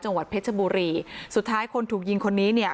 จังหวัดเพชรบุรีสุดท้ายคนถูกยิงคนนี้เนี่ย